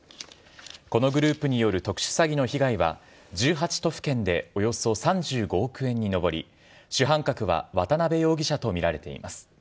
このグループによる特殊詐欺の被害は、１８都府県でおよそ３５億円に上り、主犯格は渡辺容疑者と見られています。